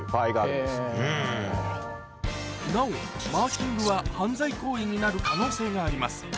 なおマーキングは犯罪行為になる可能性があります